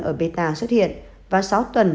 ở beta xuất hiện và sáu tuần